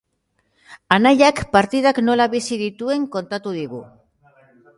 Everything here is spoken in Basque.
Anaiak partidak nola bizi dituen kontatu digu.